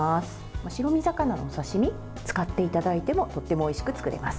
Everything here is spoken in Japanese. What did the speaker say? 白身魚の刺身を使っていただいてもとてもおいしく作れます。